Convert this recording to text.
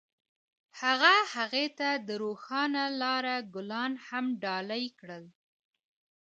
هغه هغې ته د روښانه لاره ګلان ډالۍ هم کړل.